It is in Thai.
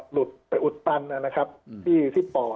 หลุดไปอุดตันนะครับที่ป่อ